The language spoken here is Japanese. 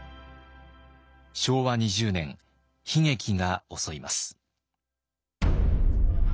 昭和２０年悲劇が襲います。